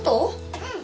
うん！